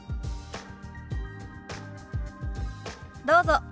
どうぞ。